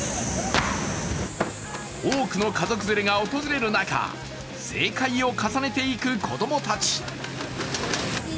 多くの家族連れが訪れる中正解を重ねていく子供たち。